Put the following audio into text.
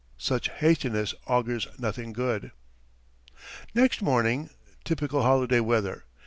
Such hastiness augurs nothing good. Next morning. Typical holiday weather.